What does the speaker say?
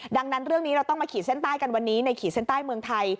ดังนั้นเรื่องนี้เราต้องมาขีดเส้นใต้กันวันนี้ในขีดเส้นใต้เมืองไทย